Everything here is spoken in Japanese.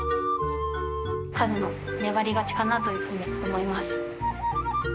和の粘り勝ちかなというふうに思います。